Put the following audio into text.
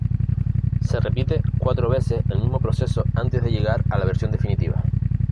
Se repite cuatro veces el mismo proceso antes de llegar a la versión definitiva.